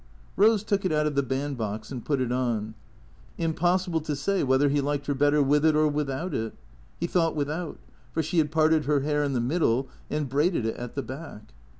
Rose took it out of the band box and put it on. Impossible to say whether he liked her better with it or without it. He thought without ; for she had parted her hair in the middle and braided it at the back.